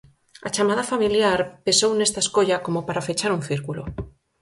A chamada familiar pesou nesta escolla como para fechar un círculo.